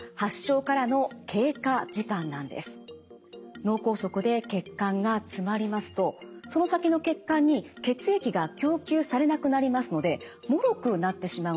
脳梗塞で血管が詰まりますとその先の血管に血液が供給されなくなりますのでもろくなってしまうんです。